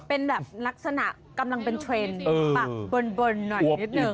เป็นนักศนะกำลังเป็นเทรนด์ปากเบิ่นหน่อยนิดหนึ่ง